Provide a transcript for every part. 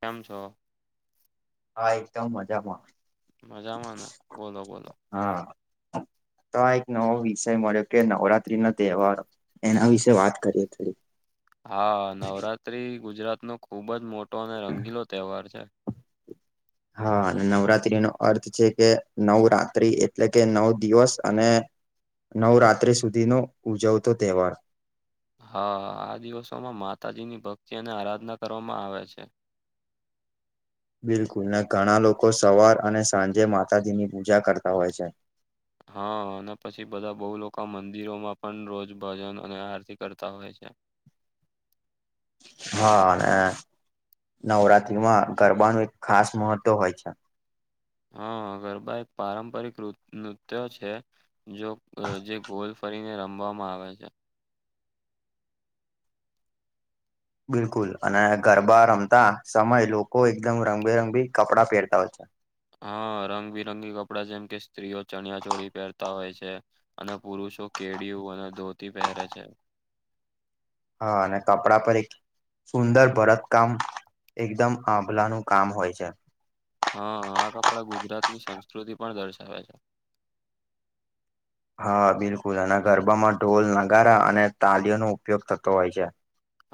કેમ છો હા એકદમ મજામાં. મજામાંને બોલો બોલો હા તો આ એક નવો વિષય મળ્યો કે નવરાત્રી નો તહેવારો એના વિશે વાત કરીએ થોડી હા નવરાત્રી ગુજરાત નો ખુબ જ મોટો અને રંગીલો તહેવાર છે. હા નવરાત્રી નો અર્થ છે કે નવરાત્રી એટલે કે નવ દિવસ અને નવરાત્રી સુધીનો ઉજવતો તહેવાર હા આ દિવસોમાં માતાજીની ભક્તિ અને આરાધના કરવામાં આવે છે. બિલકુલ ને ઘણા લોકો સવાર અને સાંજે માતાજીની પૂજા કરતા હોય છે. હા અને પછી બધા બહુ લોકો મંદિરોમાં પણ રોજ ભજન અને આરતી કરતા હોય છે. હા અને નવરાત્રીમાં ગરબાનું એક ખાસ મહત્ત્વ હોય છે. હા ગરબા એક પારંપરિક નૃત્ય છે. જો જે ગોલ ફરીને રમવામાં આવે છે. બિલકુલ અને ગરબા રમતા સમય લોકો એકદમ રંગબેરંગબી કપડાં પહેરતા હોય છે. હા રંગબિરંગી કપડા જેમ કે સ્ત્રીઓ ચણિયા ચોળી પહેરતા હોય છે અને પુરુષ તો કેળીયુ અને ધોતી પહેરે છે. હા અને કપડા પર એક સુંદર ભરત કામ એકદમ આંભલાનું કામ હોય છે. હા આ કપડા ગુજરાત ની સંસ્કૃતિ પણ દર્શાવે છે. હા બિલકુલ એના ગરબામાં ઢોલ નગારા અને તાલીઓનોઉપયોગ થતો હોય છે.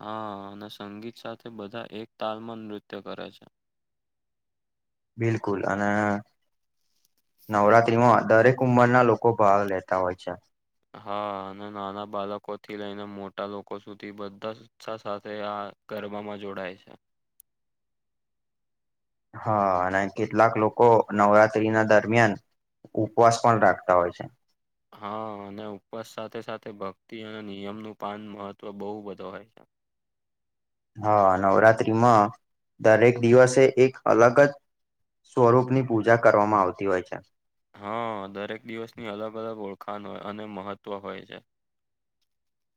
હા અને સંગીત સાથે બધા એક તાલમાં નૃત્ય કરે છે. બિલકુલ અને નવરાત્રીમાં દરેક ઉંમરના લોકો ભાગ લેતા હોય છે. હા અને નાના બાળકો થી લઈને મોટા લોકો સુધી બધા ઉત્સાહ સાથે આ ગરબામાં જોડાય છે. હા અને કેટલાક લોકો નવરાત્રીના દરમિયાન ઉપવાસ પણ રાખતા હોય છે. હા અને ઉપવાસ સાથે સાથે ભક્તિ અને નિયમ નું પાન મહત્વ બહુ બધો હોય છે. હા નવરાત્રીમાં દરેક દિવસે એક અલગ જ સ્વરૂપ ની પૂજા કરવામાં આવતી હોય છે. હા દરેક દિવસની અલગ અલગ ઓળખાણ હોય અને મહત્ત્વ હોય છે.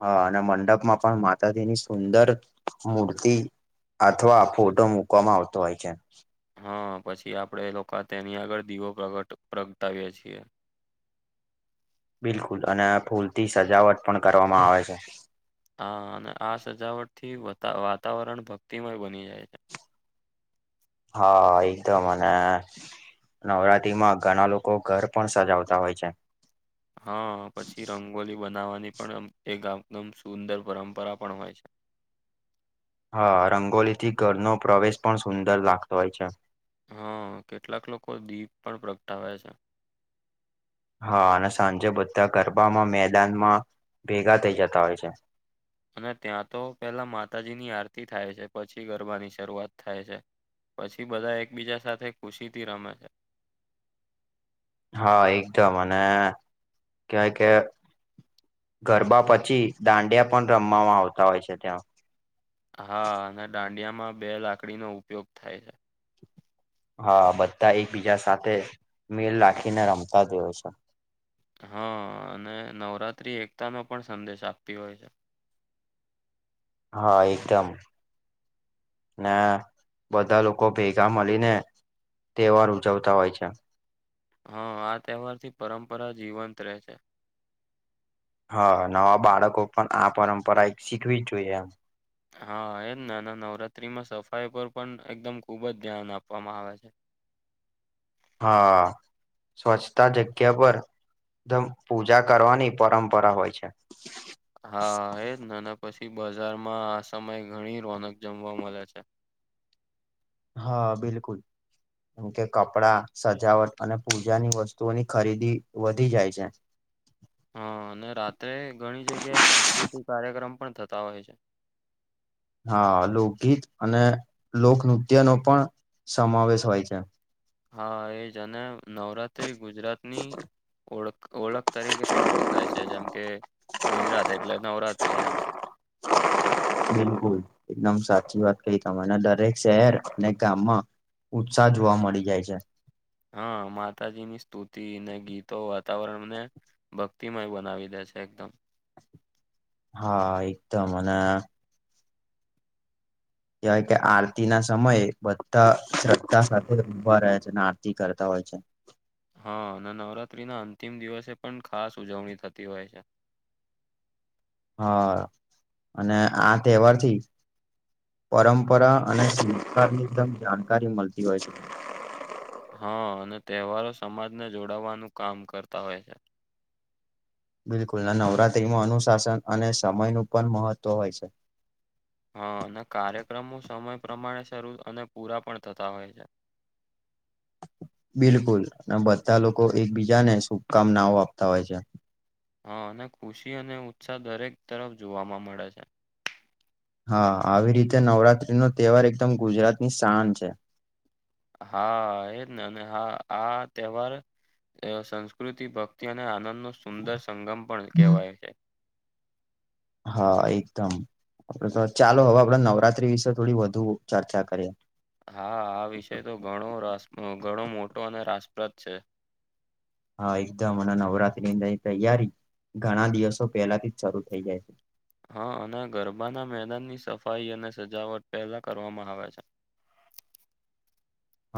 હા અને મંડપમાં પણ માતાજીની સુંદર મૂર્તિ અથવા ફોટો મૂકવામાં આવતો હોય છે. હા પછી આપડે લોકો તેની આગળ દીવો પ્રગટ પ્રગટાવીએ છીએ. બિલકુલ અને ફૂલ થી સજાવટ પણ કરવામાં આવે છે. હા અને આ સજાવટ થી વાતાવરણ ભક્તિમય બની જાય છે. હા એ તો મને નવરાત્રી માં ઘણા લોકો ઘર પણ સજાવતા હોય છે. હા પછી રંગોલી બનાવવાની પણ એકમદમ સુંદર પરંપરા પણ હોય છે. હા રંગોલી થી ઘરનો પ્રવેશ પણ સુંદર લાગતો હોય છે. હ, કેટલાક લોકો દીપ પણ પ્રગટાવે છે. હા અને સાંજે બધા ગરબામાં મેદાનમાં ભેગા થઇ જતા હોય છે. અને ત્યાં તો પહેલા માતાજીની આરતી થાય છે, પછી ગરબાની સરૂઆત થાય છે. પછી બધા એકબીજા સાથે ખુશી થી રમે છે. હા, એકદમ અને કેય કે ગરબા પછી દાંડિયા પણ રમવામાં આવતા હોય છે ત્યાં. હા અને ડાંડિયામાં બે લાકડીનો ઉપયોગ થાય છે. હા બધા એકબીજા સાથે મેલ લાખીને રમતા જોય છે. હ અને નવરાત્રી એકતા નો પણ સંદેશ આપતી હોય છે. હા એકદમ. ને બધા લોકો ભેગા મલીને તહેવાર ઉજવતા હોય છે. હ, આ તહેવાર થી પરંપરા જીવંત રહે છે. હ, નવા બાળકો પણ આ પરંપરા એક શીખવી જ જોઈએ એમ. હા એને ને નવરાત્રીમાં સફાઈ પર પણ એકદમ ખુબ જ ધ્યાન આપવામાં આવે છે. હા, સ્વચ્છતા જગ્યા પર દમ પૂજા કરવાની પરંપરા હોય છે. હા એજ નેને પછી બજારમાં આ સમય ઘણી રોનક જમવા મલે છે. હા, બિલકુલ કે કપડા સજાવટ અને પૂજાની વસ્તુઓની ખરીદી વધી જાય છે. હં ને રાતે ઘણી જગ્યાએ સંસ્કૃતિક કાર્યક્રમ પણ થતા હોય છે. હા, લોકગીત અને લોક નૃત્ય નો પણ સમાવેશ હોય છે. હા એજ અને નવરાત તે ગુજરાતની ઓળખ ઓળખ તરીકે પણ ઓળખાય છે, જેમ કે ગુજરાત એટલે નવરાત્રી એમ બિલકુલ એકદમ સાચી વાત કહી તમને, દરેક શહેર અને ગામમાં ઉત્સાહ જોવા મળી જાય છે. હ, માતાજી ની સ્તુતિ ને ગીતો વાતાવરણને ભક્તિમય બનાવી દે છે એકદમ. હા એકદમ અને હેવાય કે, આરતી ના સમયે બધા શ્રદ્ધા સાથે ભા રહે છે અને આરતી કરતા હોય છે. હ ને નવરાત્રી ના અંતિમ દિવસે પણ ખાસ ઉજવણી થતી હોય છે. હા અને આ તહેવારથી પરંપરા અને સંસ્કાર [inaudible] જાણકારી મલતી હોય છે. હ અને તહેવારો સમાજને જોડાવાનું કામ કરતા હોય છે. બિલકુલ ને નવરાત્રીમાં અનુશાસન અને સમય નું પણ મહત્વ હોય સે. હ અને કાર્યક્રમો સમય પ્રમાણે શરૂ અને પૂરા પણ થતા હોય છે. બિલકુલ ને બધા લોકો એકબીજાને શુભકામનાઓ આપતા હોય છે. હ અને ખુશી અને ઉત્સાહ દરેક તરફ જોવાવામાં મળે છે. હા આવી રીતે નવરાત્રી નો તહેવાર એકદમ ગુજરાત ની સાન છે. હા એ જ ને અને હા આ તહેવાર એ સંસ્કૃતિ ભક્તિ અને આનંદ નો સુંદર સંગમ પણ હમ્મ. કેવાય છે. હા એકદમ, આપડે તો ચાલો હવે આપડે નવરાત્રી વિશે થોડી વધુ ચર્ચા કરીએ. હા, આ વિષય તો ઘણો રસ ઘણો મોટો અને રાસપ્રદ છે. હા એકદમ અને નવરાત્રી દની તૈયારી ઘણા દિવસો પહેલા થી જ સરૂ થઇ જાય છે. હ અને ગરબાના મેદાનની સફાઈ અને સજાવટ પહેલા કરવામાં આવે છે. હ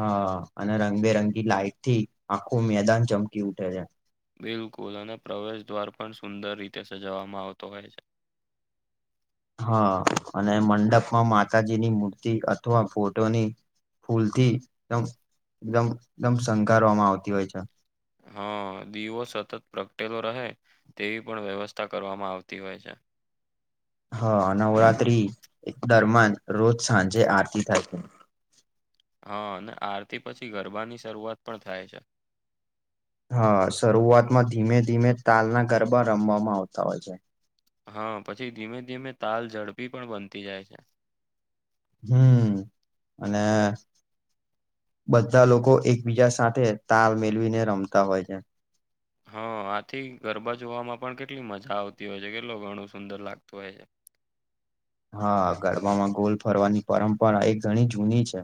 અને રંગબેરંગી લાઈટ થી આખું મેદાન ચમકી ઉઠે છે. બિલકુલ અને પ્રવેશ દ્વાર પણ સુંદર રીતે સજાવવામાં આવતો હોય છે. હ અને મંડપમાં માતાજીની મૂર્તિ અથવા ફોટોની ફૂલ થી એદમ દમ દમ સંકારવામાં આવતી હોય છે. હા દીવો સતત પ્રગટેલો રહે તેવી પણ વ્યવસ્થા કરવામાં આવતી હોય છે. હ નવરાત્રી દરમિયાન રોજ સાંજે આરતી થાય છે. હા અને આરતી પછી ગરબાની શરૂઆત પણ થાય છે. હા શરૂઆતમાં ધીમે ધીમે તાલના ગરબા રમવામાં આવતા હોય છે. હા પછી ધીમે ધીમે તાલ ઝડપી પણ બનતી જાય છે. હમ્મ અને બધા લોકો એકબીજા સાથે તાલ મેળવીને રમતા હોય છે. હા આથી ગરબા જોવામાં પણ કેટલી મજા આવતી હોય છે કેટલું ઘણું સુંદર લાગતું હોય છે. હા ગરબામાં ગોલ ફરવાની પરંપરા એક ઘણી જૂની છે.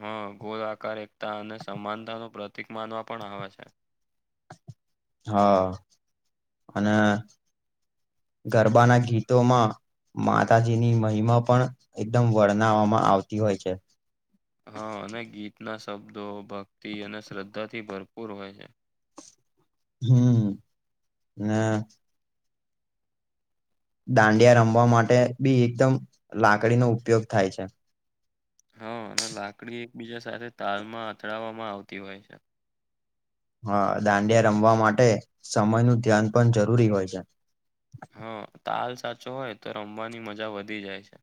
હા ગોલ આકાર એકતા અને સમાનતા નો પ્રતિક માનવા પણ આવે છે. હા અને ગરબાના ગીતોમાં માતાજીની મહિમા પણ એકદમ વર્ણવામાં આવતી હોય છે. હા અને ગીતના શબ્દો ભક્તિ અને શ્રદ્ધાથી ભરપૂર હોય છે. હમ્મ ને દાંડિયા રમવા માટે બી એકદમ લાકડીનો ઉપયોગ થાય છે. હા અને લાકડી એકબીજા સાથે તાલમાં અથડાવવામાં આવતી હોય છે. હા દાંડિયા રમવા માટે સમય નું ધ્યાન પણ જરૂરી હોય છે. હા તાલ સાચવો હોય તો રમવાની મજા વધી જાય છે.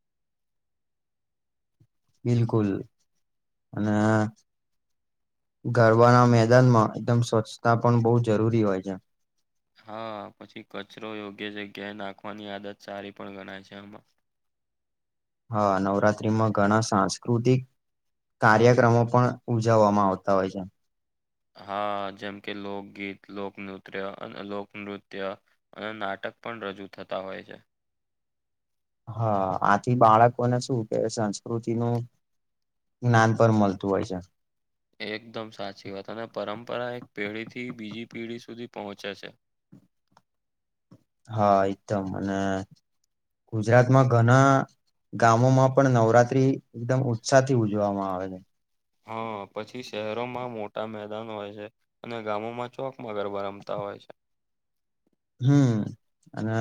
બિલકુલ અને ગરબાના મેદાનમાં એકદમ સ્વચ્છતા પણ બહુ જરૂરી હોય છે. હા પછી કચરો યોગ્ય જગ્યા નાખવાની આદત સારી પણ ગણાય છે આમાં હા નવરાત્રીમાં ઘણા સાંસ્કૃતિક કાર્યક્રમો પણ ઉજવવામાં આવતા હોય છે. હા જેમ કે લોકગીત લોકનૃત્ય અને લોકનૃત્ય અને નાટક પણ રજૂ થતા હોય છે. હા આથી બાળકોને શું કે સંસ્કૃતિનું જ્ઞાન પર મળતું હોય છે. એકદમ સાચી વાત અને પરંપરા એક પેઢી થી બીજી પેઢી સુધી પહોંચે છે. હા એકદમ અને ગુજરાતમાં ઘણા ગામો માં પણ નવરાત્રી એકદમ ઉત્સાહ થી ઉજવામાં આવે છે. હા પછી શહેરોમાં મોટા મેદાન હોય છે. અને ગામોમાં ચોકમાં ગરબા રમતા હોય છે. હમ્મ અને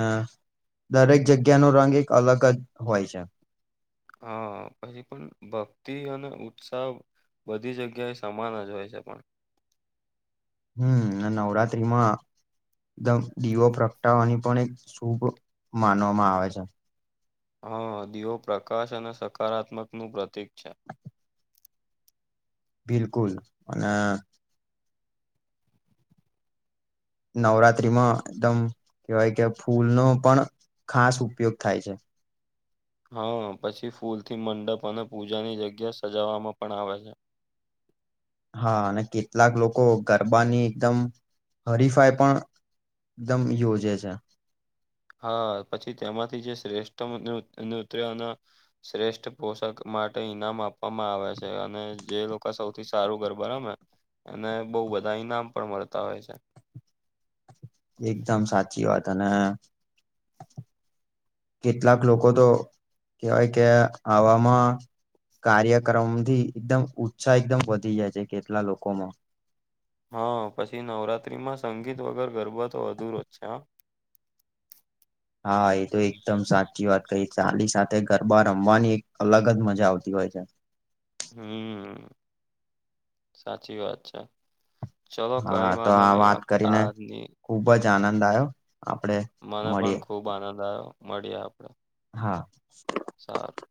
દરેક જગ્યાનો રંગ એક અલગ જ હોય છે. હા પછી પણ ભક્તિ અને ઉત્સાહ બધી જગ્યા એ સમાન જ હોય છે પણ હમ્મ ને નવરાત્રીમાં [unintelligible] દીવો પ્રગટાવાની પણ એક શુભ માનવામાં આવે છે. હા દીવો પ્રકાશ અને સકારાત્મક નું પ્રતીક છે. બિલકુલ અને નવરાત્રીમાં એકદમ કહેવાય કે ફૂલનો પણ ખાસ ઉપયોગ થાય છે. હા પછી ફૂલ થી મંડપ અને પૂજાની જગ્યા સજાવામાં પણ આવે છે. હા અને કેટલાક લોકો ગરબાની એકદમ હરીફાઈ પણ એકદમ યોજે છે. હા પછી તેમાંથી જે શ્રેષ્ઠ નૂત્ય નૃત્યના શ્રેષ્ઠ પોષાક માટે ઈનામ આપવામાં આવે છે અને જે લોકો સૌથી સારું ગરબા રમે અને બહુ બધા ઈનામ પણ મળતા હોય છે. એકદમ સાચી વાત અને કેટલાક લોકો તો કેવાય કે આવામાં કાર્યક્રમથી એકદમ ઉત્સાહ એકદમ વધી જાય છે કેટલા લોકોનો. હા પછી નવરાત્રીમાં સંગીત વગર ગરબા તો અધુરો જ છે હા હા એ તો એકદમ સાચી વાત કહી ચાલી સાથે ગરબા રમવાની એક અલગ જ મજા આવતી હોય છે. હમ સાચી વાત છે. ચાલલો કઈ હા તો વાંધો આ નહી વાત કરીને આની ખુબ જ આનંદ આવ્યો આપડે મને પણ મળીએ ખુબ આનંદ આવ્યો મળી આપડે હા. સારું.